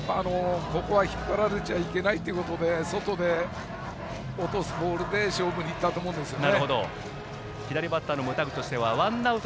引っ張られちゃいけないということで外で落とすボールで勝負に行ったと思うんですね。